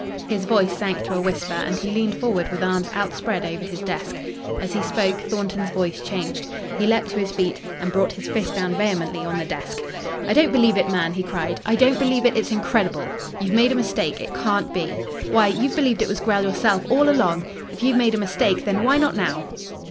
His voice sank to a whisper and he leaned forward with arms outspread over his desk. As he spoke, Thornton's voice changed. He leapt to his feet and brought his fist down vehemently on the desk. "I don't believe it, man!" he cried. "I don't believe it! It's incredible. You've made a mistake. It can't be. Why, you've believed it was Grell yourself all along. If you've made a mistake, then why not now?"